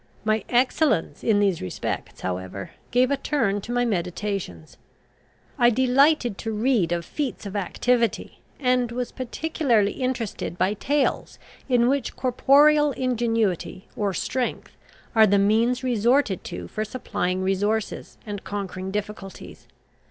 My excellence in these respects, however, gave a turn to my meditations. I delighted to read of feats of activity, and was particularly interested by tales in which corporeal ingenuity or strength are the means resorted to for supplying resources and conquering difficulties.